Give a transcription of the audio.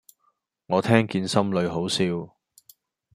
我聽見心裏好笑